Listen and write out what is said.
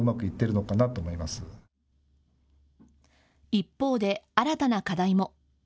一方で、新たな課題も。